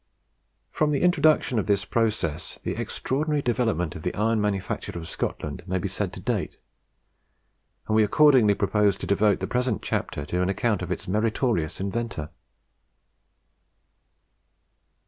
From the introduction of this process the extraordinary development of the iron manufacture of Scotland may be said to date; and we accordingly propose to devote the present chapter to an account of its meritorious inventor.